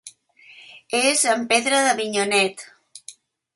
És en pedra d'Avinyonet.